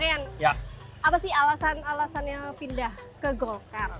mas rian apa sih alasan alasannya pindah ke golkar